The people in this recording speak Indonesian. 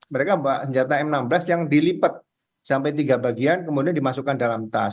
mereka membawa senjata m enam belas yang dilipat sampai tiga bagian kemudian dimasukkan dalam tas